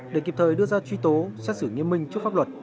để kịp thời đưa ra truy tố xét xử nghiêm minh trước pháp luật